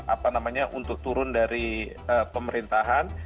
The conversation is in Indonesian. apa namanya untuk turun dari pemerintahan